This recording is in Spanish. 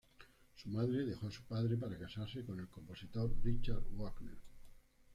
Su madre dejó a su padre para casarse con el compositor Richard Wagner.